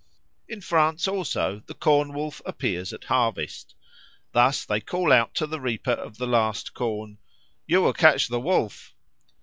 In France also the Corn wolf appears at harvest. Thus they call out to the reaper of the last corn, "You will catch the Wolf."